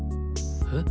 えっ？